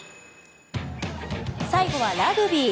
最後はラグビー。